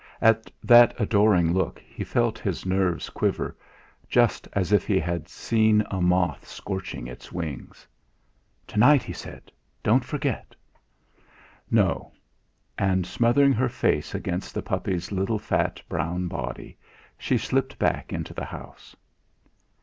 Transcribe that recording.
At that adoring look he felt his nerves quiver, just as if he had seen a moth scorching its wings. "To night!" he said. "Don't forget!" "No." And smothering her face against the puppy's little fat, brown body, she slipped back into the house.